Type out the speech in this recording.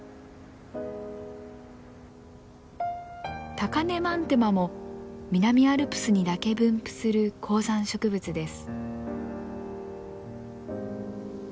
タカネマンテマも南アルプスにだけ分布する高山植物です。